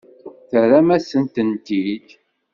Terram-asen-tent-id?